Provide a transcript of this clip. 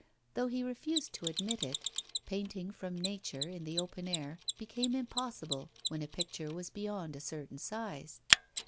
Though he refused to admit it, painting from nature in the open air became impossible when a picture was beyond a certain size.